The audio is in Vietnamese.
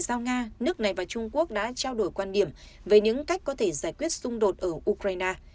sau nga nước này và trung quốc đã trao đổi quan điểm về những cách có thể giải quyết xung đột ở ukraine